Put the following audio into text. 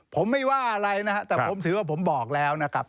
ผมไม่ว่าอะไรนะครับแต่ผมถือว่าผมบอกแล้วนะครับ